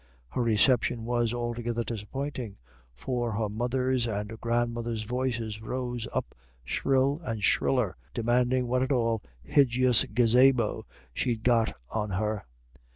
Her reception was altogether disappointing. For her mother's and grandmother's voices rose up shrill and shriller, demanding what at all hijjis gazabo she'd got on her.